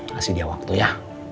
kasih dia waktu ya